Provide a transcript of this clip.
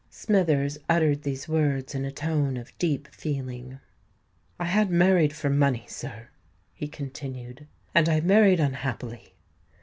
Smithers uttered these words in a tone of deep feeling. "I had married for money, sir," he continued; "and I married unhappily.